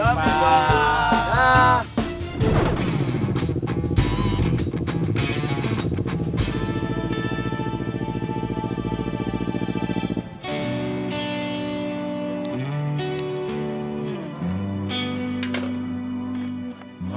selamat jalan bimbo